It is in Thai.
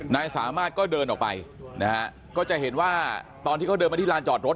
นายสามารถก็เดินออกไปนะฮะก็จะเห็นว่าตอนที่เขาเดินมาที่ลานจอดรถ